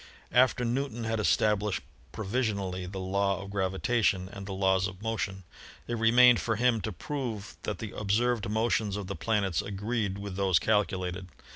After Newton had established provisionally the law of gravitation and the laws of motion, it remained for him to prove that the observed motions of the planets agreed with those calculated.